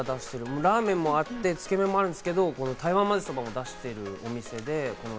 ラーメンもあって、つけ麺もあるんですけど、台湾まぜそばも出してるお店で。